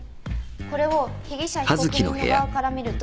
これを被疑者被告人の側から見ると。